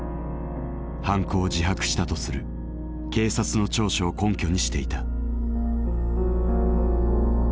犯行を自白したとする警察の調書を根拠にしていた。